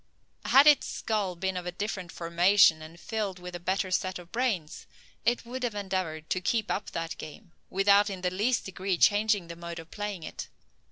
Had its skull been of a different formation, and filled with a better set of brains, it would have endeavoured to keep up that game, without in the least degree changing the mode of playing it.